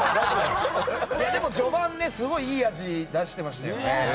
でも序盤、すごいいい味を出してましたよね。